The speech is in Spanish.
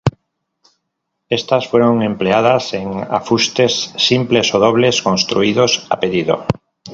Estas fueron empleadas en afustes simples o dobles construidos a pedido.